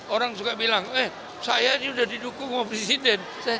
orang suka bilang eh saya ini sudah didukung sama presiden